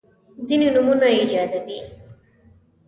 ځیني نومونه ایجادوي.